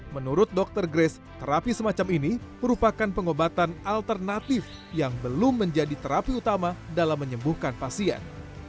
menurut dokter grace terapi semacam ini merupakan pengobatan alternatif yang belum menjadi terapi utama dalam menyembuhkan pasien